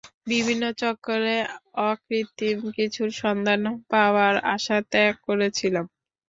বিভিন্ন চক্করে অকৃত্রিম কিছুর সন্ধান পাওয়ার আশা ত্যাগ করেছিলাম।